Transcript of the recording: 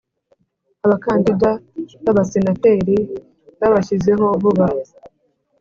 abakandida b abasenateri babashyizeho vuba